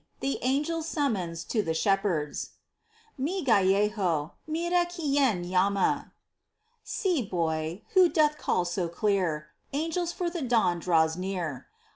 THE ANGELS' SUMMONS TO THE SHEPHERDS. Mi gallejo, mira quién llama. See, boy, who doth call so clear !— Angels, for the Dawn draws near.